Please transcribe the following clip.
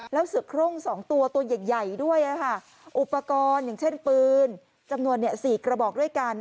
แล้วเสือโครง๒ตัวตัวใหญ่ด้วยอุปกรณ์อย่างเช่นปืนจำนวน๔กระบอกด้วยกัน